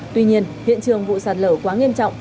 tuy nhiên hiện trường vụ sạt lở quá nghiêm trọng